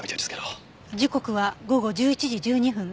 時刻は午後１１時１２分。